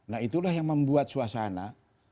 nah itulah yang membuat suasana